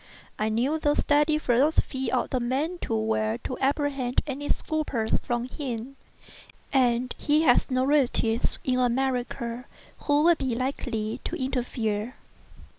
I knew the steady philosophy of the man too well to apprehend any scruples from him; and he had no relatives in America who would be likely to interfere.